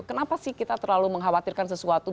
kenapa sih kita terlalu mengkhawatirkan sesuatu